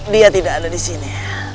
dia tidak ada di sini